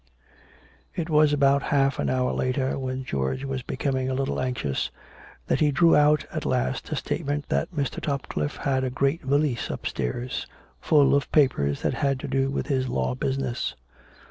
It was about half an hour later, when George was be coming a little anxious, that he drew out at last a statement that Mr. Topcliffe had a great valise upstairs, full of papers that had to do with his law business.